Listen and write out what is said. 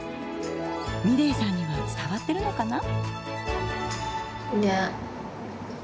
美礼さんには伝わってるのかな。